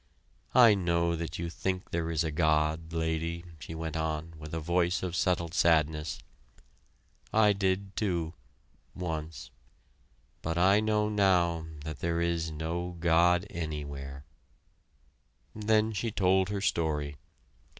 I know that you think there is a God, Lady," she went on, with a voice of settled sadness. "I did, too once but I know now that there is no God anywhere." Then she told her story.